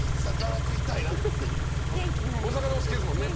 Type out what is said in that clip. お魚お好きですもんね？